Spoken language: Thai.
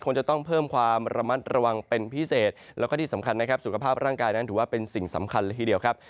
จะต้องเพิ่มความระมัดระวังเป็นพิเศษแล้วก็ที่สำคัญนะครับสุขภาพร่างกายนั้นถือว่าเป็นสิ่งสำคัญเลยทีเดียวครับ